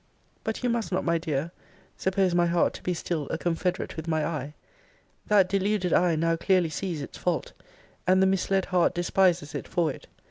But you must not, my dear, suppose my heart to be still a confederate with my eye. That deluded eye now clearly sees its fault, and the misled heart despises it for it.